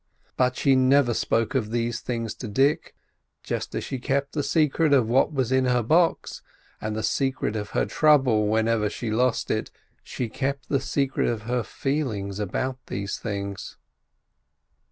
But she never spoke of these things to Dick. Just as she kept the secret of what was in her box, and the secret of her trouble whenever she lost it, she kept the secret of her feelings about these things.